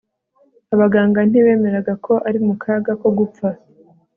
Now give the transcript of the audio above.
abaganga ntibemeraga ko ari mu kaga ko gupfa